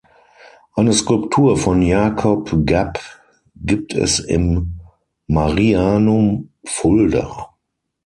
Eine Skulptur von Jakob Gapp gibt es im Marianum Fulda.